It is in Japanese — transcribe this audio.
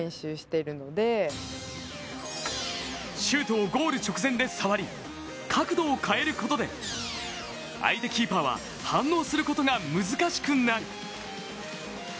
シュートをゴール直前で触り、角度を変えることで、相手キーパーは反応することが難しくなる。